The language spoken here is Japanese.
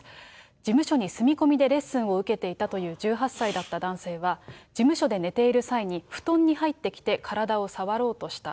事務所に住み込みでレッスンを受けていたという１８歳だった男性は、事務所で寝ている際に布団に入ってきて体を触ろうとした。